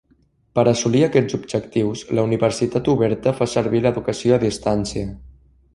Per assolir aquests objectius, la Universitat Oberta fa servir l'educació a distància.